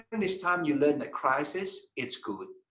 tetapi semasa anda belajar krisis itu bagus